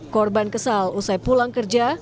korban kesal usai pulang kerja